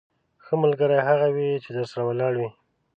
ښه ملګری هغه وي چې درسره ولاړ وي.